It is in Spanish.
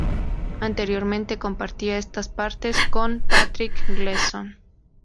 Anteriormente, compartía estos partes con Patrick Gleeson.